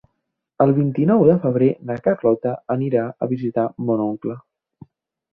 El vint-i-nou de febrer na Carlota anirà a visitar mon oncle.